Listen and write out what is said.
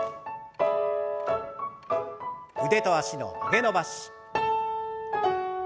腕と脚の曲げ伸ばし。